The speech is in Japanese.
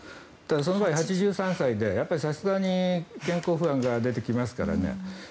その場合、８３歳で、さすがに健康不安が出てきますから。